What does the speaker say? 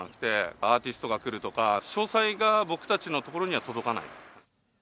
アーティストが来るとか、詳細が僕たちのところには届かない。